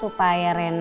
oh jadi ibu